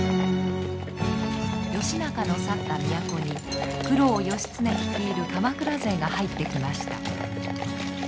義仲の去った都に九郎義経率いる鎌倉勢が入ってきました。